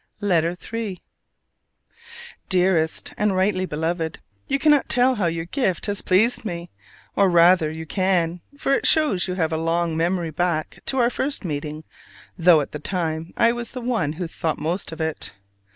LETTER III. Dearest and rightly Beloved: You cannot tell how your gift has pleased me; or rather you can, for it shows you have a long memory back to our first meeting: though at the time I was the one who thought most of it.